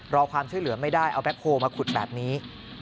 รอความช่วยเหลือไม่ได้เอาแบ็คโฮลมาขุดแบบนี้